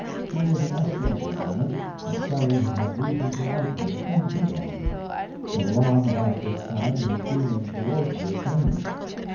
She was an estimable woman, and Shelley had had reason to like her, and did like her; but along about this time his feeling towards her changed.